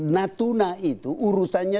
natuna itu urusannya